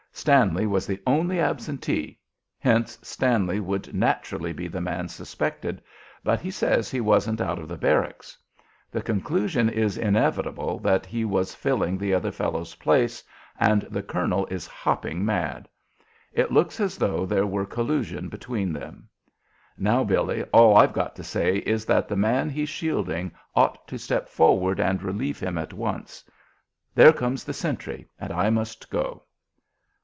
Stanley was the only absentee, hence Stanley would naturally be the man suspected, but he says he wasn't out of the barracks. The conclusion is inevitable that he was filling the other fellow's place, and the colonel is hopping mad. It looks as though there were collusion between them. Now, Billy, all I've got to say is that the man he's shielding ought to step forward and relieve him at once. There comes the sentry and I must go."